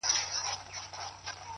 کندهارۍ سترگي دې د هند د حورو ملا ماتوي